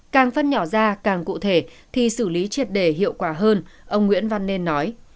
càng phân nhỏ ra càng cụ thể thì xử lý triệt đề hiệu quả hơn ông nguyễn văn nên nói